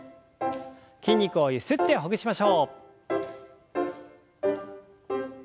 筋肉をゆすってほぐしましょう。